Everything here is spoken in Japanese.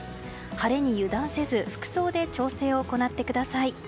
晴れに油断せず服装で調整を行ってください。